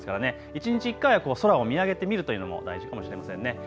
一日１回空を見上げてみるというのも大事かもしれませんね。